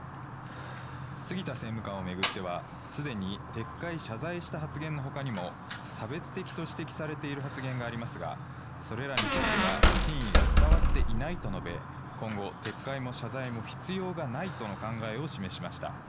杉田政務官を巡っては、すでに撤回、謝罪した発言のほかにも、差別的と指摘されている発言がありますが、それらについては真意が伝わっていないと述べ、今後、撤回も謝罪も必要がないとの考えを示しました。